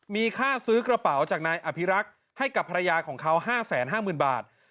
มีค่าซื้อกระเป๋าจากนายอภิรักษ์ให้กับภรรยาของเขา๕๕๐๐๐บาท